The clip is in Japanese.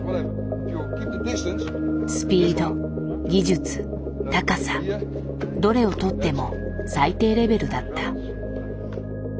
スピード技術高さどれをとっても最低レベルだった。